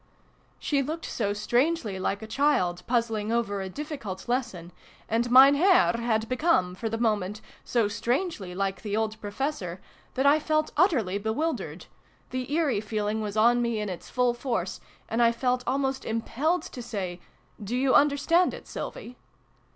" She looked so strangely like a child, puzzling over a difficult lesson, and Mein Herr had become, for the moment, so strangely like the old Professor, that I felt utterly bewildered : the ' eerie ' feeling was on me in its full force, and I felt almost impelled to say " Do you understand it, Sylvie